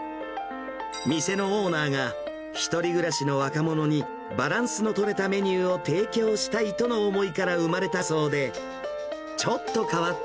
店のオーナーが、１人暮らしの若者に、バランスの取れたメニューを提供したいとの思いから生まれたそうで、あれ？